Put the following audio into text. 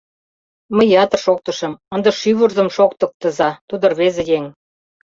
Мый ятыр шоктышым, ынде шӱвырзым шоктыктыза: тудо рвезе еҥ.